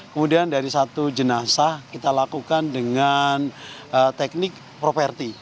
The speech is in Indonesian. kemudian dari satu jenazah kita lakukan dengan teknik properti